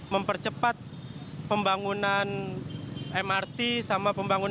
mempercepat pembangunan mrt sama pembangunan